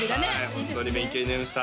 ホントに勉強になりました